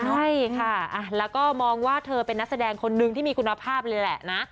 ใช่ค่ะแล้วก็มองว่าเธอเป็นนักแสดงคนนึงที่มีคุณภาพเลยแหละนะ